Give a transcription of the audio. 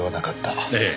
ええ。